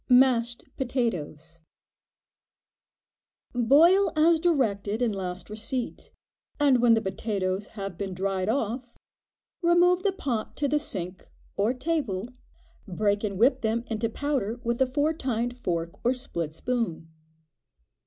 Mashed Potatoes. Boil as directed in last receipt, and when the potatoes have been dried off, remove the pot to the sink, or table, break and whip them into powder with a four tined fork, or a split spoon.